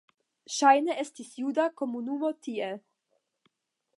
Ŝajne estis juda komunumo tie.